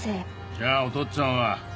じゃあおとっつあんは？